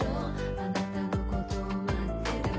あなたのこと待ってるよ